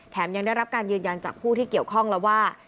ยังได้รับการยืนยันจากผู้ที่เกี่ยวข้องแล้วว่า